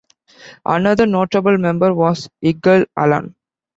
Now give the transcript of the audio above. Another notable member was Yigal Allon.